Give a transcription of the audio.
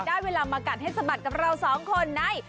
ได้เวลามากัดให้สะบัดกับเราสองคนใน